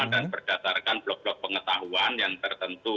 dan berdasarkan blok blok pengetahuan yang tertentu